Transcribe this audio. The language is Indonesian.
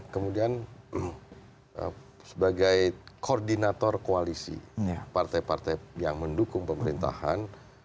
kemudian sebagai koordinator koalisi partai partai yang mendukung pemerintahan